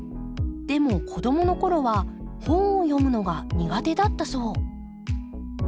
でも子どもの頃は本を読むのが苦手だったそう。